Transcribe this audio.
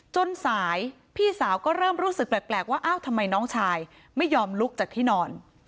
จนสายพี่สาวก็เริ่มรู้สึกแปลกว่าอ้าวทำไมน้องชายไม่ยอมลุกจากที่นอน